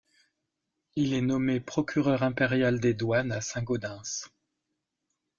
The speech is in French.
Il est nommé procureur impérial des douanes à Saint-Gaudens.